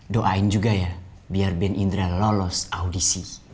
doain juga ya biar ben indra lolos audisi